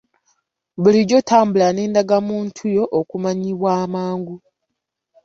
Bulijjo tambulanga n'endagamuntu yo okumanyibwa amangu.